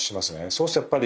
そうするとやっぱり。